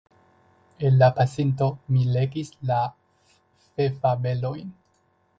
En la pasinto, mi legis la fefabelojn.